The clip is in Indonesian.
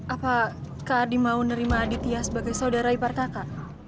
apa kak adi mau nerima aditya sebagai saudara ipar kakak